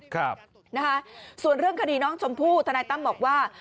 ครับนะคะส่วนเรื่องคดีน้องชมพู่ทนายตั้มบอกว่า